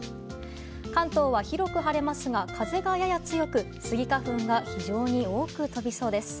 関東は広く晴れますが風がやや強くスギ花粉が非常に多く飛びそうです。